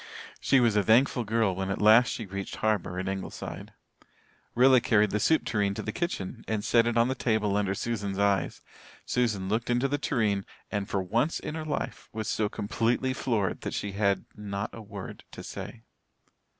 She was a thankful girl when at last she reached harbour at Ingleside. Rilla carried the soup tureen to the kitchen, and set it on the table under Susan's eyes. Susan looked into the tureen and for once in her life was so completely floored that she had not a word to say.